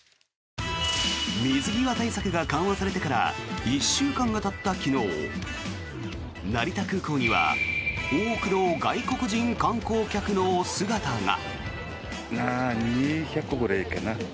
水際対策が緩和されてから１週間がたった昨日成田空港には多くの外国人観光客の姿が。